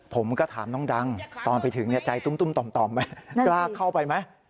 ผมก็ถามน้องดังตอนไปถึงใจตุ้มต่อมไหมกล้าเข้าไปไหม